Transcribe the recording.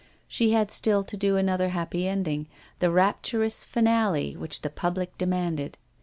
She had still to do the happy ending, the rapturous finale which the public demanded.